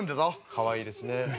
かわいいですね。